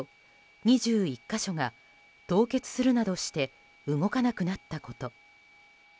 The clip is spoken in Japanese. ２１か所が凍結するなどして動かなくなったこと。